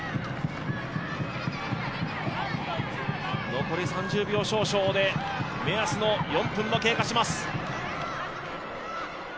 残り３０秒少々で、目安の４分を経過します。